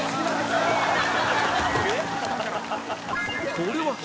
これは初！